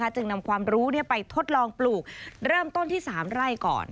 จึงนำความรู้ไปทดลองปลูกเริ่มต้นที่๓ไร่ก่อน